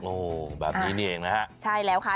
โอ้แบบนี้นี่เองนะคะ